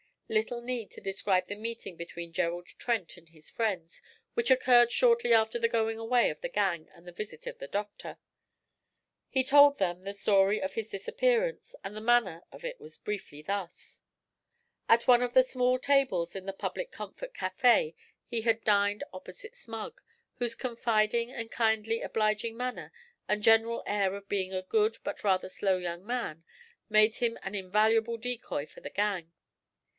Little need to describe the meeting between Gerald Trent and his friends, which occurred shortly after the going away of the 'gang' and the visit of the doctor. He told them the story of his 'disappearance,' and the manner of it was briefly thus: At one of the small tables in the Public Comfort Café he had dined opposite Smug, whose confiding and kindly obliging manner and general air of being a good but rather slow young man made him an invaluable decoy for the gang.